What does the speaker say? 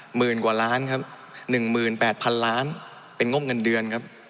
หมื่นกว่าล้านครับ๑๘๐๐๐ล้านเป็นงบเงินเดือนครับ